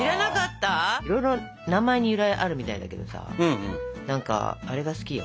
いろいろ名前に由来あるみたいだけどさ何かあれが好きよ。